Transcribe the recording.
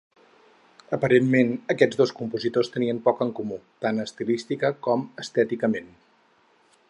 Aparentment, aquests dos compositors tenien poc en comú, tan estilística com estèticament.